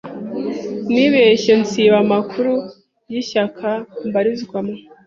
Nibeshye nsiba amakuru yishyaka mbarizwamo.